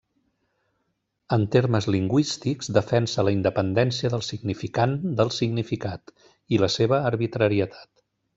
En termes lingüístics, defensa la independència del significant del significat i la seva arbitrarietat.